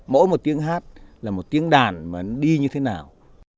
mỗi một tiếng hát là một tiếng đàn mà nó đi như thế nào